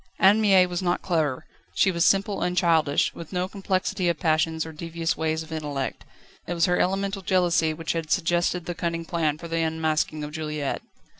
Anne Mie was not clever; she was simple and childish, with no complexity of passions or devious ways of intellect. It was her elemental jealousy which suggested the cunning plan for the unmasking of Juliette.